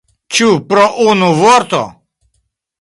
Ĉu pro unu vorto?